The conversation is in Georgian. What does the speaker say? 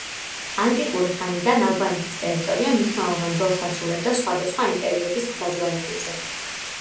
ანტიკური ხანიდან ალბანეთის ტერიტორია მნიშვნელოვან როლს ასრულებდა სხვადასხვა იმპერიების გზაჯვარედინზე.